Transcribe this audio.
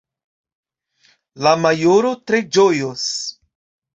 La majoro tre ĝojos.